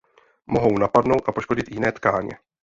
Mohou napadnout a poškodit jiné tkáně.